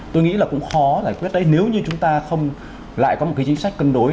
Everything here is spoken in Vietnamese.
tôi nghĩ là cũng khó giải quyết đấy nếu như chúng ta không lại có một cái chính sách cân đối